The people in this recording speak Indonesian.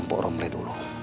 empat orang beli dulu